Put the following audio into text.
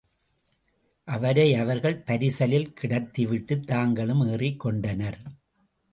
அவரை அவர்கள் பரிசலில் கிடத்திவிட்டுத் தாங்களும் ஏறிக் கொண்டனர்.